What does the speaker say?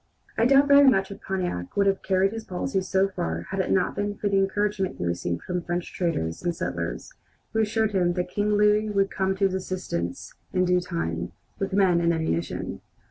I doubt very much if Pontiac would have carried his policies so far had it not been for the encouragement he received from French traders and settlers, who assured him that King Louis would come to his assistance in due time, with men and ammunition.